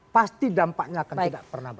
pasti dampaknya akan tidak pernah